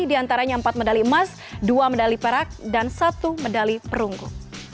di antaranya empat medali emas dua medali perak dan satu medali perunggu